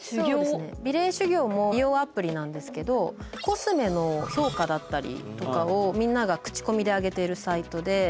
美麗修行も美容アプリなんですけどコスメの評価だったりとかをみんなが口コミで上げているサイトで。